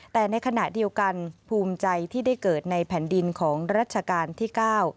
แต่ในขณะเดียวกันภูมิใจที่ได้เกิดในแผ่นดินของรัชกาลที่เก้า